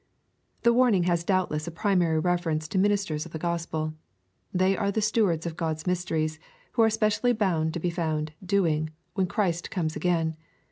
'' The warning has doubtless a primary reference to ministers of the Gospel. They are the stewards of God's mysteries, who are specially bound to be found " doing,* when Christ comes again.